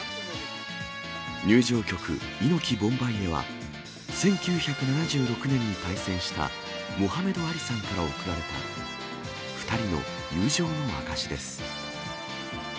入場曲、イノキボンバイエは、１９７６年に対戦したモハメド・アリさんから贈られた２人の友情の証しです。